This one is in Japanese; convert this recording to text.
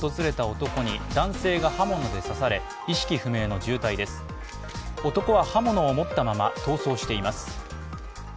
男は刃物を持ったまま逃走しています。